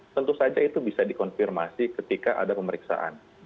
tentu saja itu bisa dikonfirmasi ketika ada pemeriksaan